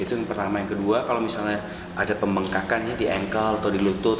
itu yang pertama yang kedua kalau misalnya ada pembengkakan ya di engkel atau di lutut